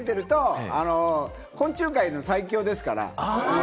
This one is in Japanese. これをつけてると、昆虫界の最強ですから。